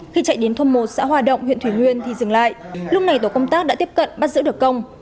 khi chạy đến thôn một xã hòa động huyện thủy nguyên thì dừng lại lúc này tổ công tác đã tiếp cận bắt giữ được công